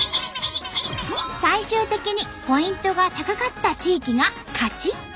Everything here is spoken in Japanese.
最終的にポイントが高かった地域が勝ち。